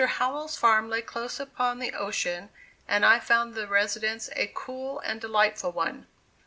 Howell's farm lay close upon the ocean and I found the residence a cool and delightful one.